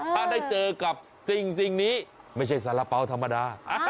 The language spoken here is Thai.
ถ้าได้เจอกับสิ่งนี้ไม่ใช่สาระเป๋าธรรมดา